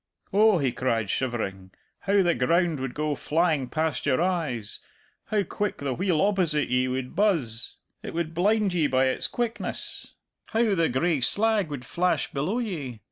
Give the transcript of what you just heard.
'Oh,' he cried, shivering, 'how the ground would go flying past your eyes; how quick the wheel opposite ye would buzz it would blind ye by its quickness; how the gray slag would flash below ye!'